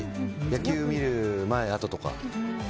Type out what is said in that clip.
野球見る前、あととか。